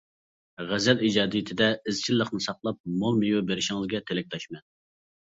غەزەل ئىجادىيىتىدە ئىزچىللىقنى ساقلاپ، مول مېۋە بېرىشىڭىزگە تىلەكداشمەن.